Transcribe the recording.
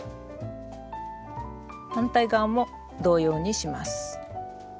反対側も同様にします。